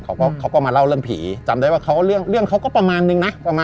เขาก็มาเล่าเรื่องผีจำได้ว่าเรื่องเขาก็ประมาณนึงนะ